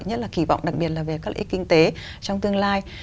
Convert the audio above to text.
nhất là kỳ vọng đặc biệt là về các lợi ích kinh tế trong tương lai